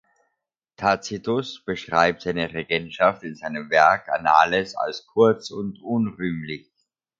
Tacitus beschreibt seine Regentschaft in seinem Werk Annales als „kurz und unrühmlich“.